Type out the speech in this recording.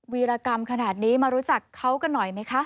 วีรกรรมขนาดนี้มารู้จักเขากันหน่อยไหมคะ